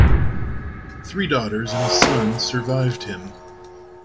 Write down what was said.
Three daughters and a son survived him.